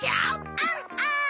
アンアン。